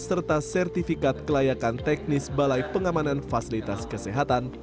serta sertifikat kelayakan teknis balai pengamanan fasilitas kesehatan